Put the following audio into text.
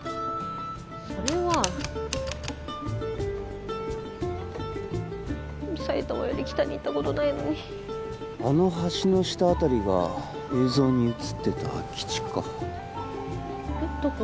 それは埼玉より北に行ったことないのにあの橋の下あたりが映像に写ってた空き地かえっどこ？